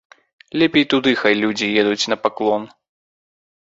Лепей туды хай людзі едуць на паклон.